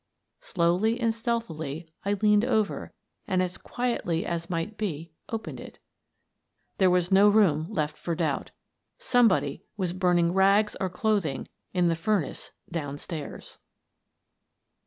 Slowly and stealthily, I leaned over and, as quietly as might be, opened it. Then there was no room left for doubt: some body was burning rags or clothing in the furnace down stairs.